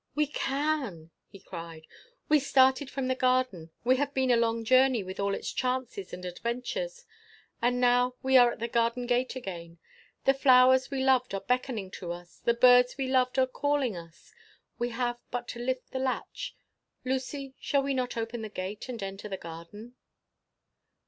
"We can!" he cried. "We started from the garden; we have been a long journey with all its chances and adventures; and now we are at the garden gate again: the flowers we loved are beckoning to us; the birds we loved are calling us; we have but to lift the latch—Lucy, shall we not open the gate and enter the garden?"